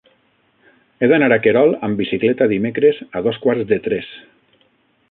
He d'anar a Querol amb bicicleta dimecres a dos quarts de tres.